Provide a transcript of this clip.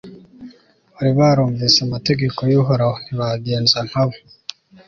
bari barumvise amategeko y'uhoraho; ntibagenza nka bo